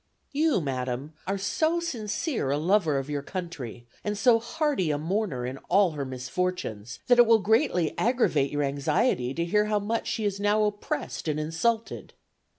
"You, madam, are so sincere a lover of your country, and so hearty a mourner in all her misfortunes, that it will greatly aggravate your anxiety to hear how much she is now oppressed and insulted.